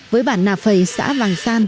với bản nạp phầy xã vàng san